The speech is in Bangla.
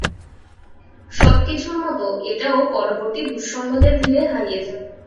সবকিছুর মতো, এটাও পরবর্তী দুঃসংবাদের ভীড়ে হারিয়ে যাবে।